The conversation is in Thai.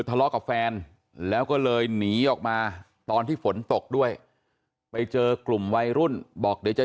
ทะเลาะกับแฟนแล้วก็เลยหนีออกมาตอนที่ฝนตกด้วยไปเจอกลุ่มวัยรุ่นบอกเดี๋ยวจะ